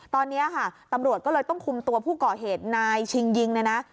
ตอนนี้ค่ะตำรวจก็เลยต้องคุมตัวผู้ก่อเหตุนายชิงยิงเนี่ยนะ